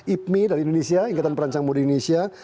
ipmi dari indonesia ikatan perancang muda indonesia